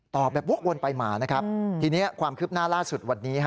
แบบวกวนไปมานะครับทีนี้ความคืบหน้าล่าสุดวันนี้